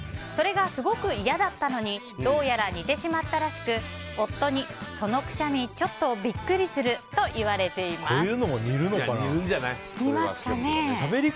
それがすごく嫌だったのにどうやら似てしまったらしく夫に、そのくしゃみちょっとビックリすると言われています。